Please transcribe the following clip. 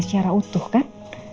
secara utuh kan